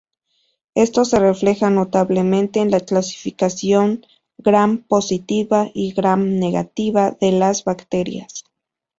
Esto se refleja notablemente en la clasificación Gram-positiva y Gram-negativa de las bacterias.